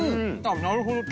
なるほど。